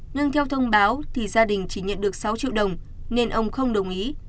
nhưng theo thông báo thì gia đình chỉ nhận được sáu triệu đồng nên ông không đồng ý